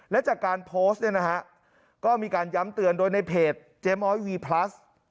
และจากการโพสต์เนี่ยนะฮะก็มีการย้ำเตือนโดยในเพจเจ๊ม้อยวีพลัส